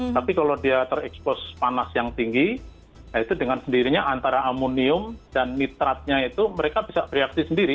tapi kalau dia terekspos panas yang tinggi itu dengan sendirinya antara amonium dan nitratnya itu mereka bisa bereaksi sendiri